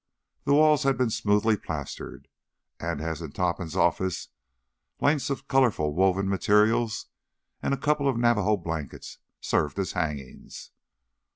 The walls had been smoothly plastered, and as in Topham's office, lengths of colorful woven materials and a couple of Navajo blankets served as hangings.